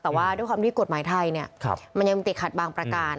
แต่ว่าด้วยความที่กฎหมายไทยมันยังติดขัดบางประการ